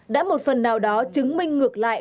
đã một phần nào đó chứng minh ngược lại